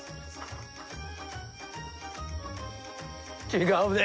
違うね！